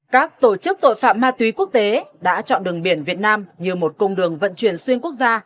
các tổ chức tội phạm ma túy quốc tế đã chọn đường biển việt nam như một cung đường vận chuyển xuyên quốc gia